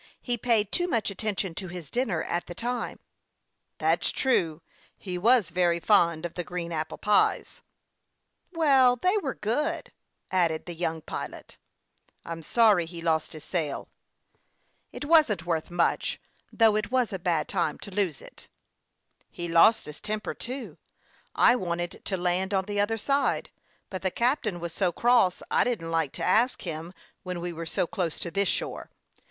" He was paying too much atten tion to his dinner at the time." 28 HASTE AND WASTE, OR " That's true ; he was very fond of the green apple pies." " Well, they were good," added the young pilot, stirred by pleasant memories of the viands. " I'm sorry he lost his sail." " It wasn't worth much, though it was a bad time to lose it." " He lost his temper, too. I wanted to land on the other side, but the captain was so cross I didn't like to ask him when we were so close to this shore.